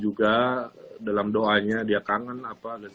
juga dalam doanya dia kangen apa dan sebagainya